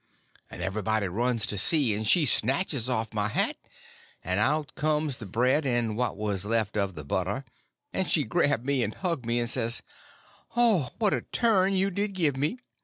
And everybody runs to see, and she snatches off my hat, and out comes the bread and what was left of the butter, and she grabbed me, and hugged me, and says: "Oh, what a turn you did give me!